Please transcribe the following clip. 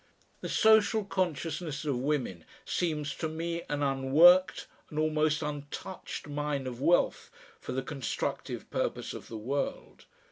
The social consciousness of women seems to me an unworked, an almost untouched mine of wealth for the constructive purpose of the world.